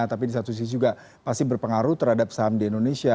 tapi di satu sisi juga pasti berpengaruh terhadap saham di indonesia